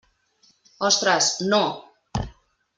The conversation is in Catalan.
Ostres, no!